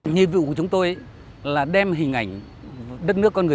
nhiệm vụ của chúng tôi là đem hình ảnh đất nước con người